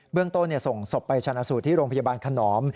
เรื่องต้นส่งศพไปชนะสูตรที่โรงพยาบาลขนอม